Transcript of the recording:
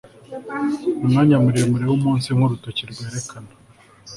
Umwanya muremure wumunsi nkurutoki rwerekana